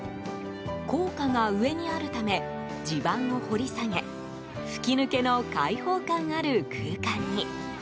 高架が上にあるため地盤を掘り下げ吹き抜けの開放感ある空間に。